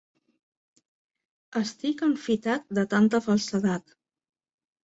Estic enfitat de tanta falsedat.